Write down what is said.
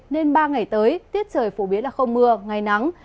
nên ba ngày tới tiết trời phổ biến là không mưa ngày nắng